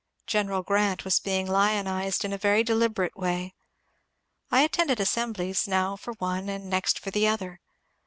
General Grant was being lionized in a very deliberate way. I attended as semblies now for one and next for the other.